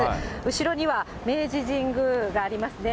後ろには明治神宮がありますね。